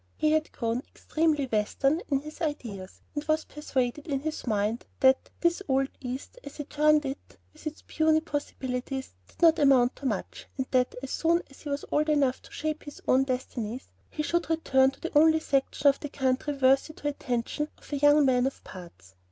He had grown extremely Western in his ideas, and was persuaded in his mind that "this old East," as he termed it, with its puny possibilities, did not amount to much, and that as soon as he was old enough to shape his own destinies, he should return to the only section of the country worthy the attention of a young man of parts.